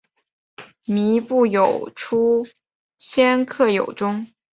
靡不有初鲜克有终